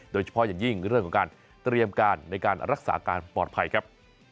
โดยเฉพาะอย่างยิ่งเรื่องของการเตรียมการในการรักษาการปลอดภัยครับ